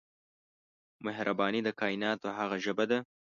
مهرباني د کایناتو هغه ژبه ده